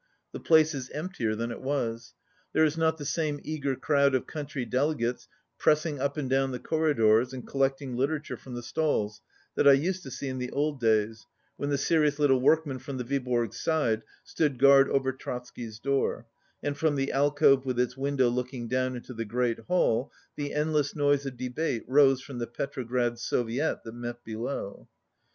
The place is emptier than it was. There is not the same eager crowd of country delegates pressing up and down the corridors and collecting litera ture from the stalls that I used to see in the old days when the serious little workman from the Viborg side stood guard over Trotsky's door, and from the alcove with its window looking down into the great hall, the endless noise of debate rose from the Petrograd Soviet that met below.